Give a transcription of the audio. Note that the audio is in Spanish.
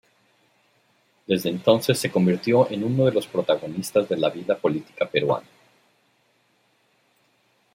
Desde entonces se convirtió en uno de los protagonistas de la vida política peruana.